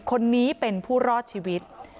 คนนี้เป็นผู้รอดชีวิต